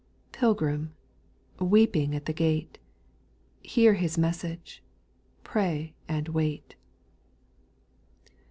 Pilgrim, weeping at the gate. Hear His message —" Pray and wait."